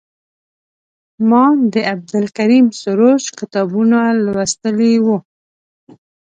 ما د عبدالکریم سروش کتابونه لوستي وو.